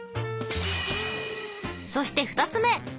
そして２つ目！